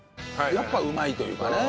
やっぱうまいというかね。